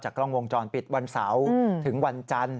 กล้องวงจรปิดวันเสาร์ถึงวันจันทร์